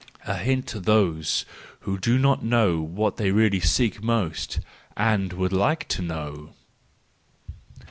A hint to those who do not know what they really seek most, and would like to know!